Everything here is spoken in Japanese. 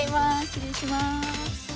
失礼します。